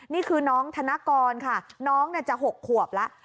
นี่คือน้องธนกรค่ะน้องจะ๖ขวบแล้ว